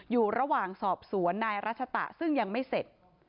อยู่ระหว่างสอบสวนนายรัชตะซึ่งยังไม่เสร็จ